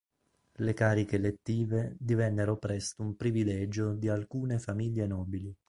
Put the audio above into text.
Le cariche elettive divennero presto un privilegio di alcune famiglie nobili.